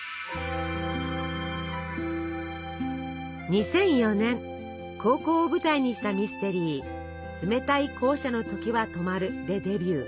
２００４年高校を舞台にしたミステリー「冷たい校舎の時は止まる」でデビュー。